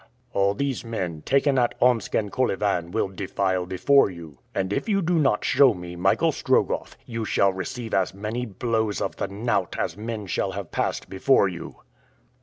"All these men, taken at Omsk and Kolyvan, will defile before you; and if you do not show me Michael Strogoff, you shall receive as many blows of the knout as men shall have passed before you."